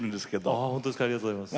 ああほんとですかありがとうございます。